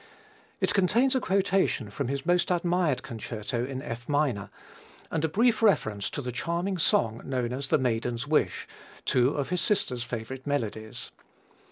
It contains a quotation from his most admired Concerto in F minor, and a brief reference to the charming song known as the Maiden's Wish, two of his sister's favorite melodies.